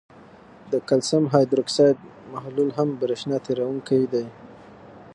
د کلسیم هایدروکساید محلول هم برېښنا تیروونکی دی.